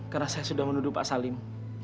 karena saya sudah menuduh pak salim